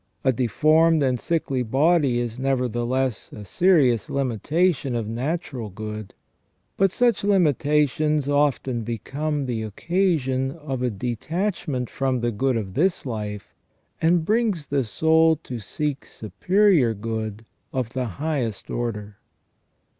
A deformed and sickly body is, nevertheless, a serious limitation of natural good, but such hmitations often become the occasion of a detach ment from the good of this life, that brings the soul to seek superior good of the highest order.